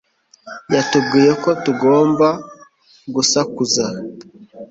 Yatubwiye ko tutagomba gusakuza